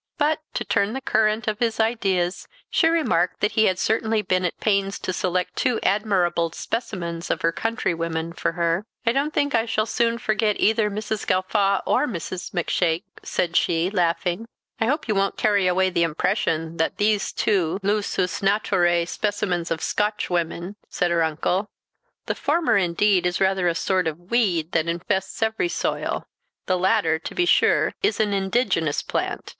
But, to turn the current of his ideas, she remarked that he had certainly been at pains to select two admirable specimens of her countrywomen for her. "I don't think I shall soon forget either Mrs. Gawffaw or Mrs Macshake," said she, laughing. "I hope you won't carry away the impression that these two lusus naturae specimens of Scotchwomen," said her uncle. "The former, indeed, is rather a sort of weed that infests every soil; the latter, to be sure, is an indigenous plant.